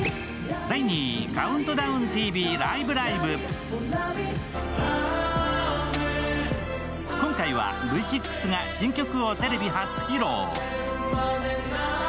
そして今回はＶ６が新曲をテレビ初披露。